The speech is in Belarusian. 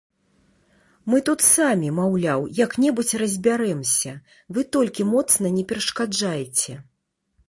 Мы тут самі, маўляў, як-небудзь разбярэмся, вы толькі моцна не перашкаджайце.